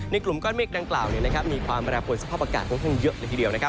ในกลุ่มก้อนเมฆดังกล่าวเนี่ยนะครับมีความแบรนด์ปวนสภาพอากาศค่อนข้างเยอะเลยทีเดียวนะครับ